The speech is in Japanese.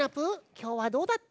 きょうはどうだった？